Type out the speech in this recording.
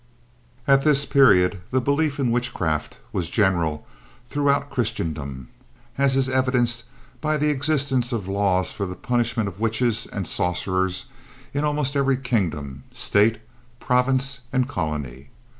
At this period, the belief in witchcraft was general throughout Christendom, as is evinced by the existence of laws for the punishment of witches and sorcerers in almost every kingdom, state, province and colony.